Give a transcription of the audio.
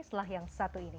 setelah yang satu ini